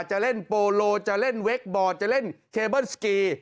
จะเล่นโปโลจะเล่นเวคบอร์ดจะเล่นเคเบิ้ลสกี